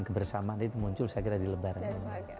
kebersamaan itu muncul saya kira di lebaran ini